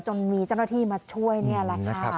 จนมีเจ้าหน้าที่มาช่วยนี่แหละค่ะ